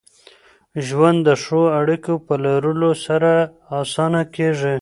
ژوند د ښو اړیکو په لرلو سره اسانه کېږي.